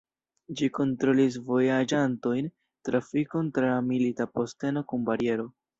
Ĝi kontrolis vojaĝantojn, trafikon tra milita posteno kun bariero.